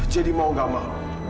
jadi mau gak mau